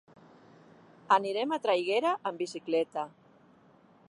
Anirem a Traiguera amb bicicleta.